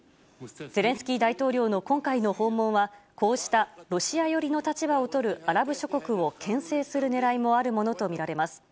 ゼレンスキー大統領の今回の訪問はこうしたロシア寄りの立場をとるアラブ諸国を牽制する狙いもあるものとみられます。